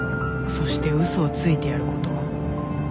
そして嘘をついてやること。